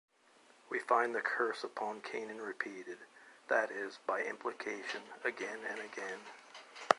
We find the curse upon Canaan repeated, that is, by implication, again and again.